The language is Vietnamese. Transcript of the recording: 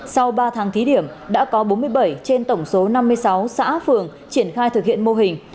sau ba tháng thí điểm đã có bốn mươi bảy trên tổng số năm mươi sáu xã phường triển khai thực hiện mô hình